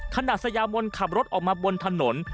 ขณะสยามวลขับรถออกมาบนถนน